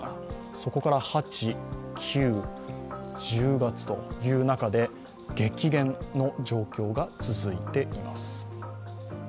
そこから８、９、１０月という中で激減の状況が続いています。